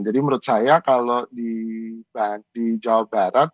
jadi menurut saya kalau di jawa barat